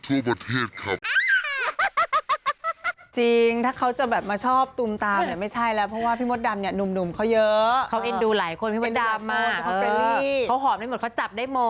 พูดคุณจับจับตามองเป็นพิเศษนะฮะกับเอ๊ะเยี๊ม